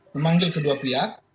memanggil kedua pihak